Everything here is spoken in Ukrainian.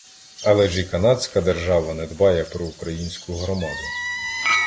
Але ж і канадська держава не дбає про українську громаду